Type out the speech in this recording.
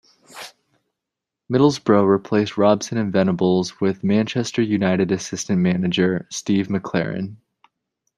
Middlesbrough replaced Robson and Venables with Manchester United assistant manager Steve McClaren.